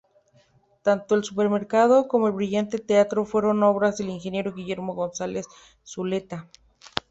Tanto el supermercado, como el brillante teatro, fueron obras del ingeniero Guillermo Gonzalez Zuleta.